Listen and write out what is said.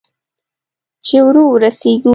چې ور ورسېږو؟